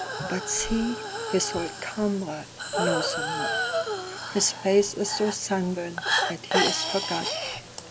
But see, his old comrade knows him not:His face is so sunburnt that he is forgot.